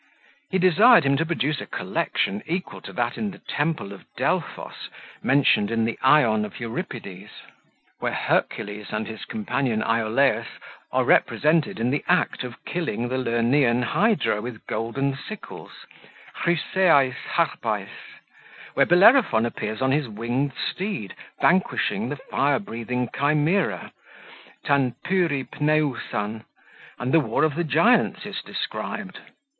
He desired him to produce a collection equal to that in the temple of Delphos, mentioned in the "Ion" of Euripides; where Hercules and his companion Iolaus, are represented in the act of killing the Lernaean hydra with golden sickles, kruseais harpais, where Bellerophon appears on his winged steed, vanquishing the fire breathing chimera, tan puripneousan; and the war of the giants is described.